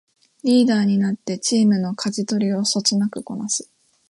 リーダーになってチームのかじ取りをそつなくこなす